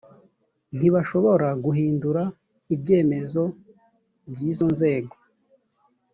ntibashobora guhindura ibyemezo by izo nzego